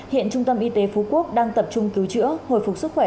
hiện trung tâm y tế phú quốc đang tập trung cứu chữa hồi phục sức khỏe